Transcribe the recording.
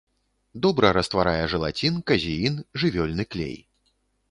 Добра растварае жэлацін, казеін, жывёльны клей.